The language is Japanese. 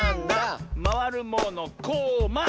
「まわるものこま！」